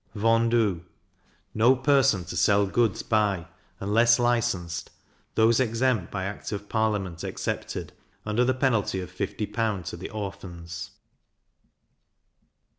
Vendue no person to sell goods by, unless licensed, those exempt by act of parliament excepted, under the penalty of 50L. to the Orphans.